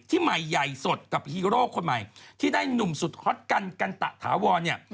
ใหม่ใหญ่สดกับฮีโร่คนใหม่ที่ได้หนุ่มสุดฮอตกันกันตะถาวรเนี่ย